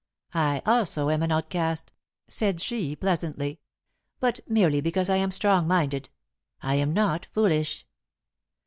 I also am an outcast," said she pleasantly, "but merely because I am strong minded. I am not foolish."